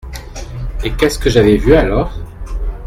Et qu’est-ce j’avais vu alors ?